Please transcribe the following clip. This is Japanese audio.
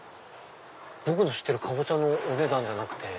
僕の知ってるカボチャのお値段じゃなくて。